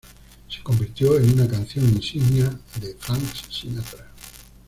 Se convirtió en una canción insignia de Frank Sinatra.